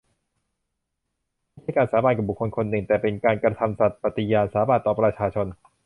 ไม่ใช่การสาบานกับบุคคลคนหนึ่ง แต่เป็นการกระทำสัตย์ปฏิญาณสาบานต่อประชาชน